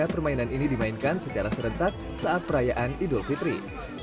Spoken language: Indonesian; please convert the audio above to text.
permainan ini dimainkan secara serentak saat perayaan idul fitri